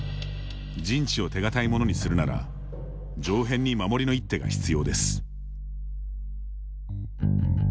陣地を手堅いものにするなら上辺に守りの一手が必要です。